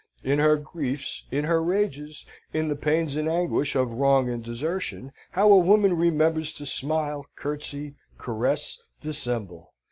In her griefs, in her rages, in the pains and anguish of wrong and desertion, how a woman remembers to smile, curtsey, caress, dissemble!